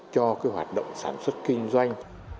cho hoạt động sản xuất kinh doanh